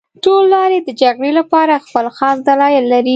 ټول لوري د جګړې لپاره خپل خاص دلایل لري